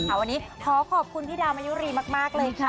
วันนี้ขอขอบคุณพี่ดาวมายุรีมากเลยค่ะ